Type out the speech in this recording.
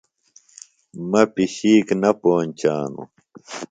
مہ پشِکہ نہ پونچانوۡ۔